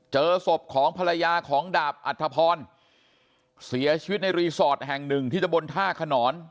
เจอศพของภรรยาของดาบอัธพรเสียชีวิตในรีสอร์ทแห่งหนึ่งที่ตะบนท่าขนอน